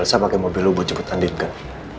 elsa pakai mobil lu buat cepet andin kan